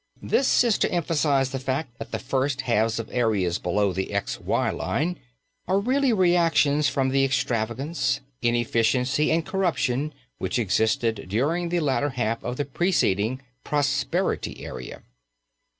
This is to emphasize the fact that the first halves of areas below the X Y line are really reactions from the extravagance, inefficiency and corruption which existed during the latter half of the preceding "prosperity" area.